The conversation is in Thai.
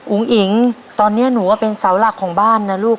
อิ๋งตอนนี้หนูก็เป็นเสาหลักของบ้านนะลูก